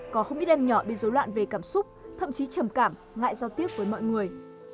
có không ít em nhỏ bị dối loạn về cảm xúc thậm chí trầm cảm ngại giao tiếp với mọi người